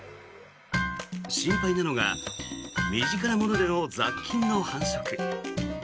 心配なのが身近なものでの雑菌の繁殖。